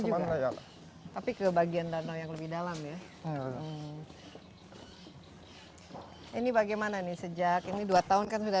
juga tapi ke bagian danau yang lebih dalam ya ini bagaimana nih sejak ini dua tahun kan sudah